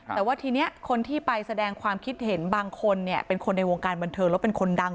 แต่ว่าทีนี้คนที่ไปแสดงความคิดเห็นบางคนเนี่ยเป็นคนในวงการบันเทิงแล้วเป็นคนดัง